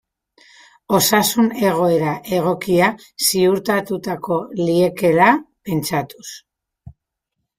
Osasun egoera egokia ziurtatuko liekeela pentsatuz.